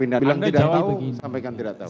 bilang tidak tahu sampaikan tidak tahu